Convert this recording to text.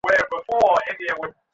তিনি এই দায়িত্বে ছিলেন।